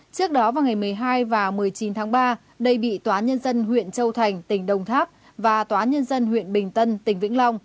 trước đó vào ngày một mươi hai và một mươi chín tháng ba đây bị tòa nhân dân huyện châu thành tỉnh đồng tháp và tòa án nhân dân huyện bình tân tỉnh vĩnh long